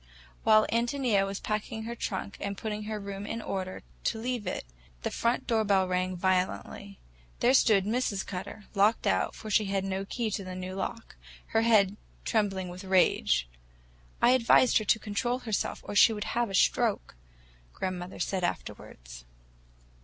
While Ántonia was packing her trunk and putting her room in order, to leave it, the front door bell rang violently. There stood Mrs. Cutter,—locked out, for she had no key to the new lock—her head trembling with rage. "I advised her to control herself, or she would have a stroke," grandmother said afterwards.